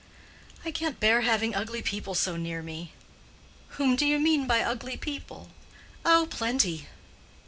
"I can't bear having ugly people so near me." "Whom do you mean by ugly people?" "Oh, plenty."